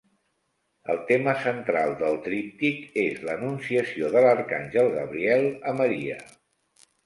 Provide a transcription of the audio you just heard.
El tema central del tríptic és l'Anunciació de l'arcàngel Gabriel a Maria.